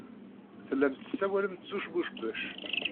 Tellamt tessawalemt s usbucbec.